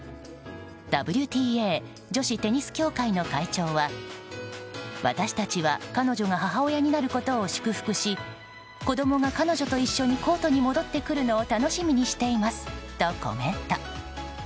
ＷＴＡ・女子テニス協会の会長は私たちは彼女が母親になることを祝福し子供が彼女と一緒にコートに戻ってくるのを楽しみにしていますとコメント。